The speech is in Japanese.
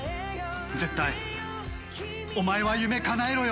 絶対お前は夢かなえろよ！